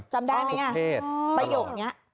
จำได้มั้ยไงประโยคนี้